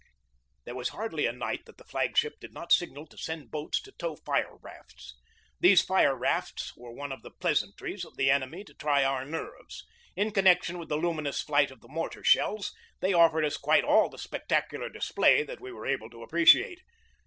There was hardly a night that the flag ship did not signal to send boats to tow fire rafts. These fire rafts were one of the pleasantries of the enemy to try our nerves. In connection with the luminous flight of the mortar shells, they offered us quite all the spectacular display that we were able to appre ciate.